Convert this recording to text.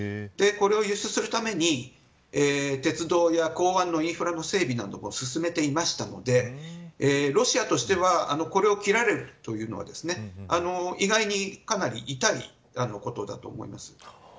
これを輸出するために鉄道や港湾のインフラの整備なども進めていたのでロシアとしてはこれを切られるというのは意外にかなり痛いことだと思います。